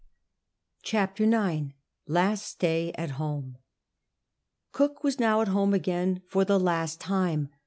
CHAPTEE IX LAST STAY AT HOMK Cook was now at homo again for the last time.